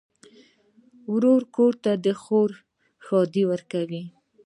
ورور ته د کور ښادي ورکوې.